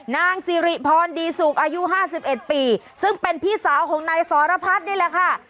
นางสิริพรดีสุกอายุ๕๑ปีซึ่งเป็นพี่สาวของนายสรพัฒน์นี่แหละค่ะ